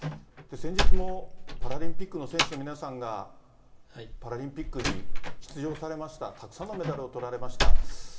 先日もパラリンピックの選手の皆さんが、パラリンピックに出場されました、たくさんのメダルをとられました。